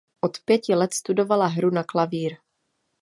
Od pěti let studovala hru na klavír.